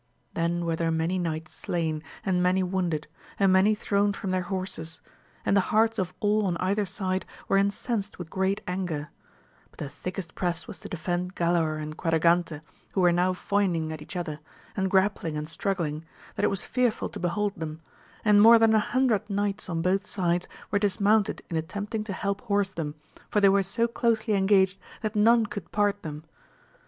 Then were there many knights slain and mtaiy wounded, and many thrown from their horses, and l^e hearts of all on either side were incensed with great anger; but the thickest press was to defend Galaor and Quadragante, who were now fo3ming at each other, and grappling and struggling, that it was fearM to behold them, and more than an hundred knights on both sides were dismounted in attempting to help horse them, for they were so closely engaged that none could part them.